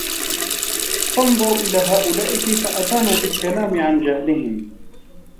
فَانْظُرْ إلَى هَؤُلَاءِ كَيْفَ أَبَانُوا بِالْكَلَامِ عَنْ جَهْلِهِمْ